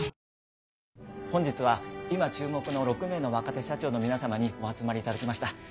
本日は今注目の６名の若手社長の皆様にお集まりいただきました。